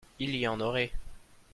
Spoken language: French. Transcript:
Il y en aurait.